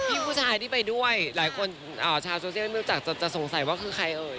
ผู้ชายที่ไปด้วยหลายคนชาวโซเชียลไม่รู้จักจะสงสัยว่าคือใครเอ่ย